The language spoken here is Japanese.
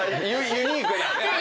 ユニークで。